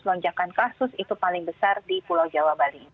lonjakan kasus itu paling besar di pulau jawa bali